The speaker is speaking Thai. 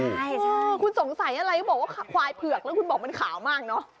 ใช่คุณสงสัยอะไรก็บอกว่าควายเผือกแล้วคุณบอกมันขาวมากเนอะ